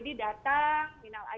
mendapat lungsuran dari kakak kakak